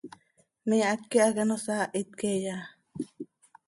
¿Me háqui hac ano saahit queeya?